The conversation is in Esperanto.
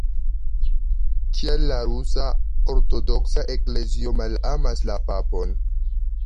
Kial la rusa ortodoksa eklezio malamas la papon?